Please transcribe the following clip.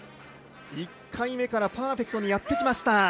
１回目からパーフェクトにやってきました。